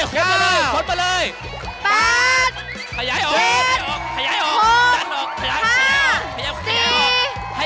เร็วไม่ได้อะไรขนไปเลยขนไปเลย